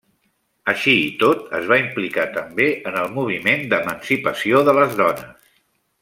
Així i tot, es va implicar també en el moviment d'emancipació de les dones.